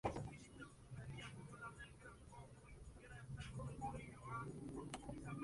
En esta renovación se sustituyeron muchos bloques de caliza.